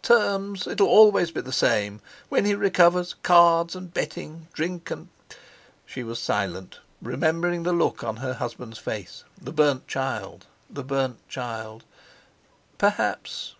"Terms! It'll always be the same. When he recovers—cards and betting, drink and...!" She was silent, remembering the look on her husband's face. The burnt child—the burnt child. Perhaps...!